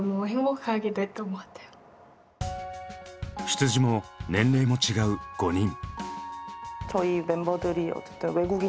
出自も年齢も違う５人。